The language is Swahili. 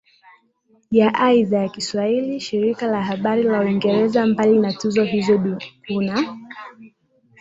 ya idhaa ya Kiswahili shirika la habari la Uingereza Mbali na tuzo hizo kuna